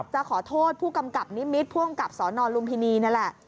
จะขอโทษผู้กำกับนิมิตรผู้อำกับสนลุมพินีนี่แหละ